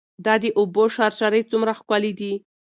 دا د اوبو شرشرې څومره ښکلې دي.